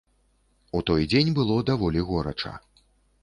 У той дзень было даволі горача.